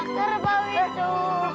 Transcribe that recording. ada kerbau itu